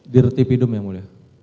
di rti pidum ya mulia